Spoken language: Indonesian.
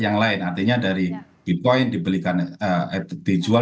yang lain artinya dari bitcoin dibelikan dijual